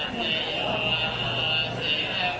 สวัสดีครับ